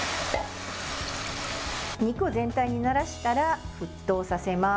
肉を全体にならしたら沸騰させます。